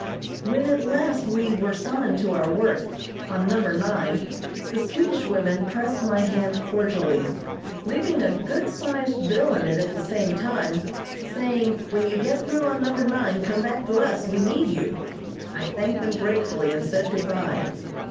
When at last we were summoned to our work, on Number Nine, the Swedish women pressed my hand cordially, leaving a good sized bill in it at the same time, saying: "When you get through on Number Nine come back to us; we need you." I thanked them gratefully and said good bye.